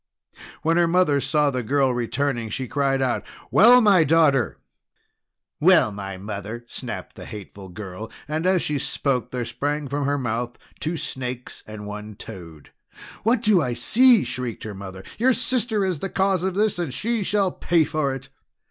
When her mother saw the girl returning, she cried out: "Well, my daughter!" "Well, my mother!" snapped the hateful girl, and as she spoke there sprang from her mouth two snakes and one toad. "What do I see!" shrieked her mother. "Your sister is the cause of this, and she shall pay for it!"